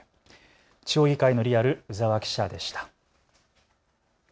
地方議会のリアル、鵜澤記者でした。